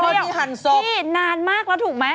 ที่หันศพนานมากแล้วถูกไหม